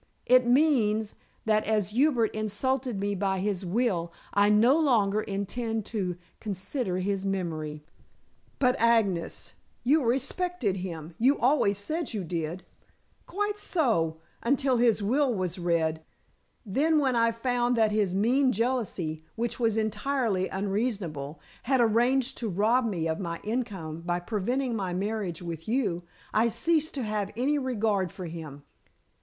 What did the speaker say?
It means, that as Hubert insulted me by his will, I no longer intend to consider his memory." "But, Agnes, you respected him. You always said that you did?" "Quite so, until his will was read. Then when I found that his mean jealousy which was entirely unreasonable had arranged to rob me of my income by preventing my marriage with you, I ceased to have any regard for him.